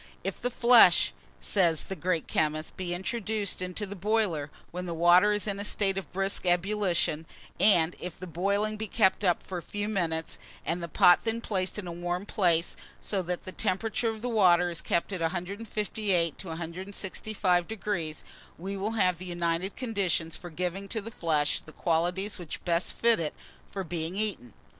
"If the flesh," says the great chemist, "be introduced into the boiler when the water is in a state of brisk ebullition, and if the boiling be kept up for a few minutes, and the pot then placed in a warm place, so that the temperature of the water is kept at 158° to 165°, we have the united conditions for giving to the flesh the qualities which best fit it for being eaten."